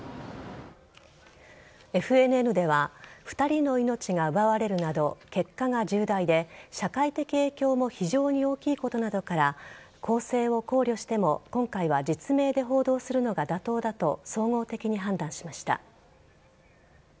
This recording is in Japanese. ＦＮＮでは２人の命が奪われるなど結果が重大で社会的影響も非常に大きいことなどから更生を考慮しても今回は実名で報道するのが妥当だと総合的に判断しました。